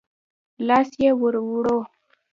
لاس يې ور ووړ.